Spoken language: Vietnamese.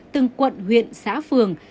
từng quận huyện xã phường